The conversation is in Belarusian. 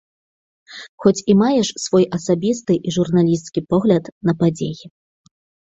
Хоць і маеш свой асабісты і журналісцкі погляд на падзеі.